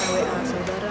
dari wawa saudara